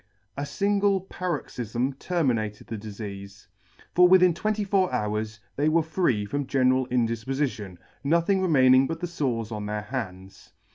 A Angle pa roxyfm terminated the difeafe ; for within twenty four hours they were free from general indifpofition, nothing remaining but the fores on their hands.